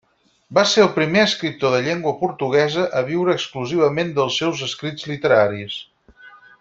Va ser el primer escriptor de llengua portuguesa a viure exclusivament dels seus escrits literaris.